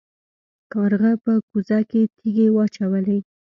کارغه په کوزه کې تیږې واچولې.